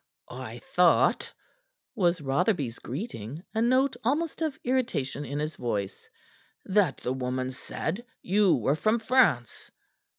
"I thought," was Rotherby's greeting, a note almost of irritation in his voice, "that the woman said you were from France."